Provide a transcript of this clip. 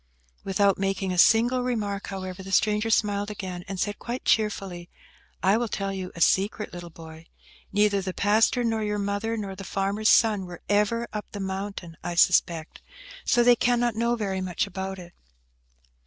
Without making a single remark, however, the stranger smiled again, and said, quite cheerfully, "I will tell you a secret, little boy. Neither the pastor, nor your mother, nor the farmer's son were ever up the mountain, I suspect, so they cannot know very much about it."